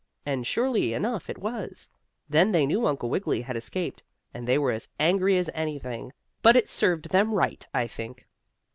And, surely enough, it was. Then they knew Uncle Wiggily had escaped, and they were as angry as anything, but it served them right, I think.